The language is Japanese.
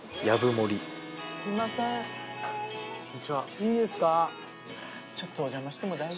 いいですか？